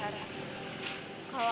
kalau alina juga bisa aku berharap